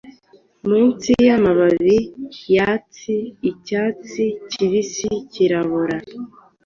Munsi yamababi yatsi Icyatsi kibisi Kirabona,